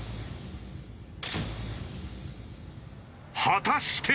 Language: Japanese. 果たして。